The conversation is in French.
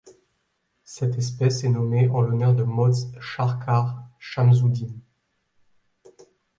Cette espèce est nommée en l'honneur de Mohd Sharkar Shamsudin.